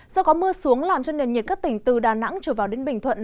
do có mưa xuống làm cho nền nhiệt các tỉnh từ đà nẵng trở vào đến bình thuận